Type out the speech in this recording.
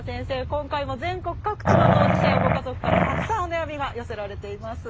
今回も全国各地の当事者やご家族からたくさんお悩みが寄せられています。